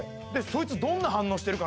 そいつ